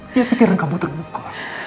dia pikiran kamu terbuka